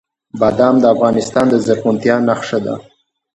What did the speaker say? بادام د افغانستان د زرغونتیا نښه ده.